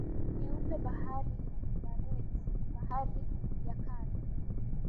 Nyeupe Bahari ya Barents Bahari ya Kara